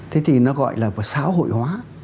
thế thì nó gọi là xã hội hóa